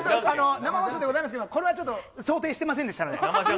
生放送でございますけど、これはちょっと想定してませんで想定するでしょ。